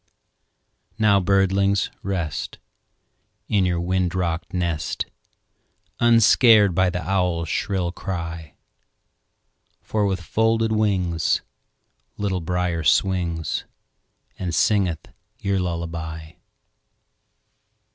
Now, birdlings, rest, In your wind rocked nest, Unscared by the owl's shrill cry; For with folded wings Little Brier swings, And singeth your lullaby.